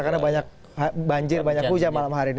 karena banyak banjir banyak hujan malam hari ini